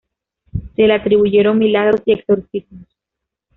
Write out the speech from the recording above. Se le atribuyeron milagros y exorcismos.